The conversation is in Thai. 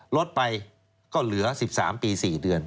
ลดไปก็เหลือ๑๓ปี๔เดือน